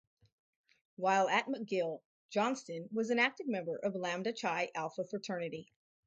While at McGill, Johnston was an active member of Lambda Chi Alpha Fraternity.